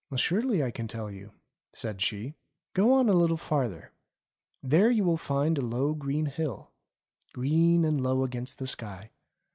"Surely I can tell you," said she; "go on a little farther. There you will find a low green hill ; green and low against the sky.